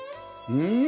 うん！